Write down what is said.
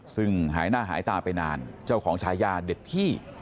ซึ่งหายหน้าหายตาไปนานเจ้าของชายาเด็ดพี่